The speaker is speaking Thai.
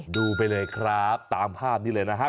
ดูไปเลยครับตามภาพนี้เลยนะฮะ